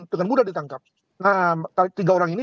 dengan mudah ditangkap tiga orang ini